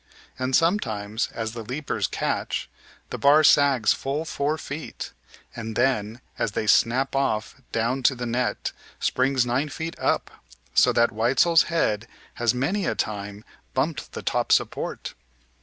And sometimes, as the leapers catch, the bar sags full four feet, and then, as they "snap off" down to the net, springs nine feet up, so that Weitzel's head has many a time bumped the top support.